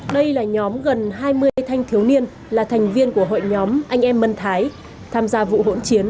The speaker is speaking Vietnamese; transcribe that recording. đây là nhóm gần hai mươi thanh thiếu niên là thành viên của hội nhóm anh em mân thái tham gia vụ hỗn chiến